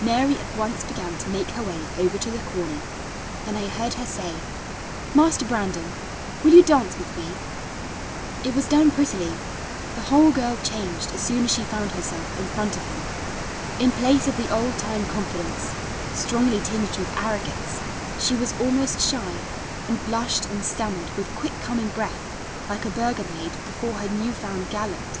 Mary at once began to make her way over to the corner, and I heard her say: "Master Brandon, will you dance with me?" It was done prettily. The whole girl changed as soon as she found herself in front of him. In place of the old time confidence, strongly tinged with arrogance, she was almost shy, and blushed and stammered with quick coming breath, like a burgher maid before her new found gallant.